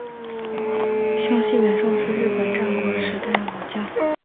香西元盛是日本战国时代武将。